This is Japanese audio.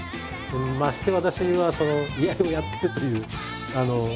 まして私は居合をやってるという。